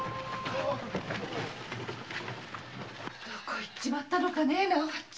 どこへ行っちまったのかね。